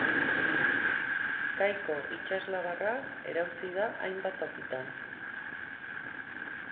Kaiko itsaslabarra erauzi da hainbat tokitan.